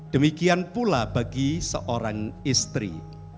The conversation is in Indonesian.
demikian pula bagi seorang istri